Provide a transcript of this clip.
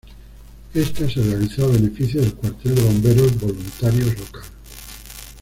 Ésta se realizó a beneficio del cuartel de Bomberos Voluntarios local.